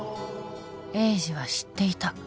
栄治は知っていた